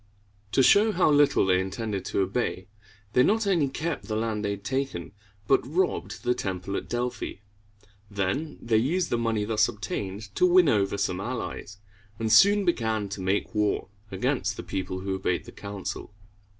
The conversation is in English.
To show how little they intended to obey, they not only kept the land they had taken, but robbed the temple at Delphi. Then they used the money thus obtained to win over some allies, and soon began to make war against the people who obeyed the council.